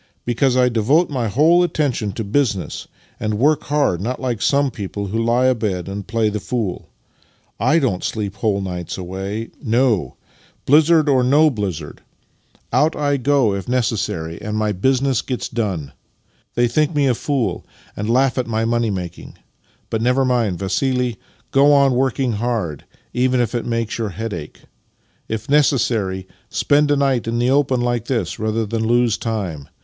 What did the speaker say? "Be cause I devote my whole attention to business and work hard — not like some people who lie abed and play the fool. / don't sleep whole nights away. No. Blizzard or no blizzard, out I go if ' The local magistiato. Master and Man 43 necessary', and my business gets done. Tliey tkink me a fool, and laugh at my money making : but never mind, Vassili — go on working hard, even if it makes 3'our head ache. If necessary, spend a night in the open hke this rather than lose time.